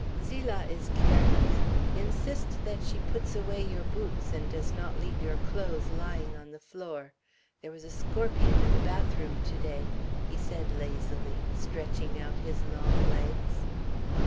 "Zilah is careless. Insist that she puts away your boots, and does not leave your clothes lying on the floor. There was a scorpion in the bathroom to day," he said lazily, stretching out his long legs.